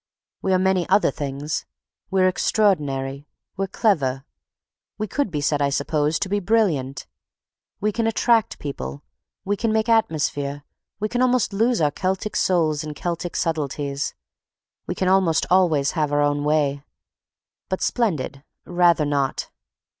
We are many other things—we're extraordinary, we're clever, we could be said, I suppose, to be brilliant. We can attract people, we can make atmosphere, we can almost lose our Celtic souls in Celtic subtleties, we can almost always have our own way; but splendid—rather not!